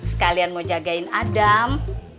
setelian mau jagain adam